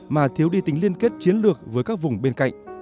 mà thiếu đi tính liên kết chiến lược với các vùng bên cạnh